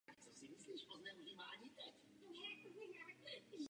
Druhotně byl rozšířen do Severní i Jižní Ameriky a Austrálie.